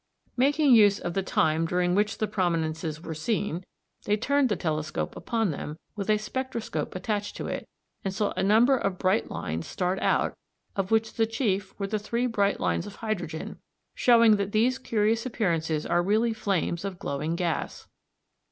Making use of the time during which the prominences were seen, they turned the telescope upon them with a spectroscope attached to it, and saw a number of bright lines start out, of which the chief were the three bright lines of hydrogen, showing that these curious appearances are really flames of glowing gas.